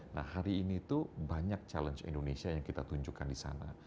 nah hari ini tuh banyak challenge indonesia yang kita tunjukkan di sana